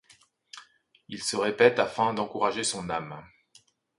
Il se répete, afin d'encourager son âme